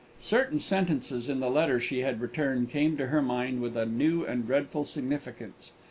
Certain sentences in the letter she had returned came to her mind with a new and dreadful significance.